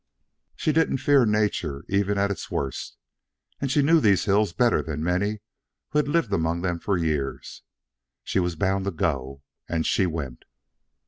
She didn't fear nature even at its worst, and she knew these hills better than many who had lived among them for years. She was bound to go, and she went.